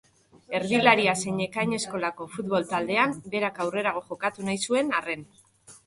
Erdilaria zen Ekain eskolako futbol taldean, berak aurrerago jokatu nahi zuen arren.